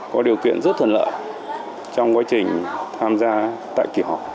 có điều kiện rất thuần lợi trong quá trình tham gia tại kỳ họp